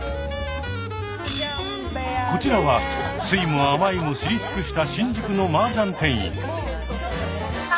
こちらは酸いも甘いも知り尽くした新宿のマージャン店員。